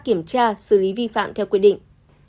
kiểm tra xử lý vi phạm theo quy định